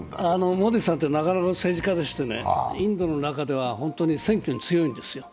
モディさんってなかなか政治家でしてインドの中では本当に選挙に強いんですよ。